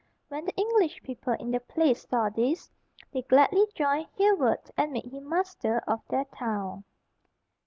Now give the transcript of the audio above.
When the English people in the place saw this, they gladly joined Hereward and made him master of their town.